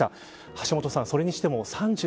橋下さん、それにしても３２歳